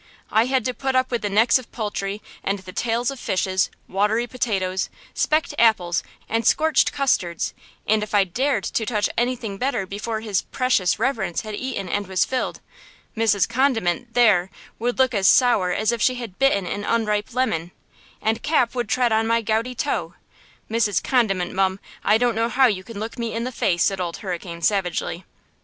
I had to put up with the necks of poultry, and the tails of fishes, watery potatoes, specked apples and scorched custards–and if I dared to touch anything better before his precious reverence had eaten and was filled, Mrs. Condiment–there–would look as sour as if she had bitten an unripe lemon–and Cap would tread on my gouty toe! Mrs. Condiment, mum, I don't know how you can look me in the face!" said Old Hurricane, savagely.